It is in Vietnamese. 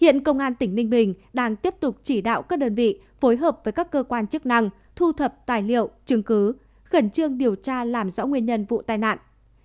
hiện công an tỉnh ninh bình đang tiếp tục chỉ đạo các đơn vị phối hợp với các cơ quan chức năng thu thập tài liệu chứng cứ khẩn trương điều tra làm rõ nguyên nhân vụ tai nạn